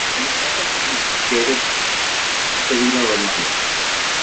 It is often eaten with grated Pecorino romano.